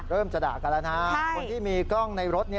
จะด่ากันแล้วนะคนที่มีกล้องในรถ